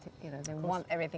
untuk membuat segalanya selesai